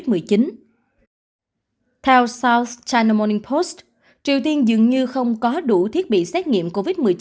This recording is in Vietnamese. theo south china morning post triều tiên dường như không có đủ thiết bị xét nghiệm covid một mươi chín